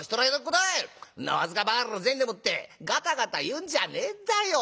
んな僅かばかりの銭でもってガタガタ言うんじゃねえんだよ。